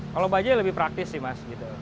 kalau bajaj lebih praktis sih mas gitu